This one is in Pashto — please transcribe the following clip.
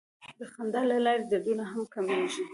د خندا له لارې دردونه هم کمېږي.